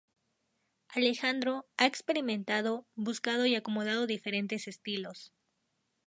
Alejandro ha experimentado, buscado y acomodado diferentes estilos.